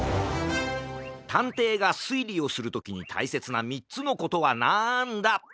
たんていがすいりをするときにたいせつな３つのことはなんだ？